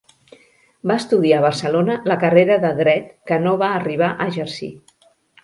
Va estudiar a Barcelona la carrera de Dret, que no va arribar a exercir.